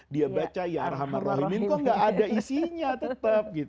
dia baca ya'arrahmarrohinin kok gak ada isinya tetap